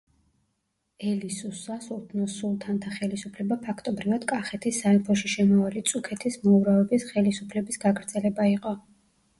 ელისუს სასულთნოს, სულთანთა ხელისუფლება ფაქტობრივად კახეთის სამეფოში შემავალი წუქეთის მოურავების ხელისუფლების გაგრძელება იყო.